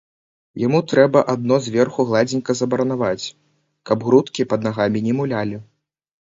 Яму трэба адно зверху гладзенька забаранаваць, каб грудкі пад нагамі не мулялі.